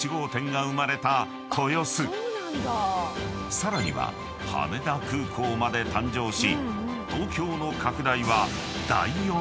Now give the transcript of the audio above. ［さらには羽田空港まで誕生し］